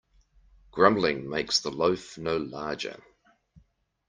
Grumbling makes the loaf no larger.